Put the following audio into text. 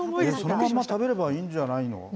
そのまんま食べればいいんじゃないの？